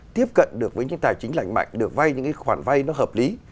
tiếp cận được với những tài chính lành mạnh được vay những cái khoản vay nó hợp lý